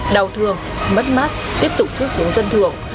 đau thương mất mát tiếp tục rút xuống dân thường